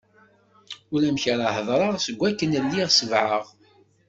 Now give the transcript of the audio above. Ulamek ara hedreɣ seg akken lliɣ sebεeɣ.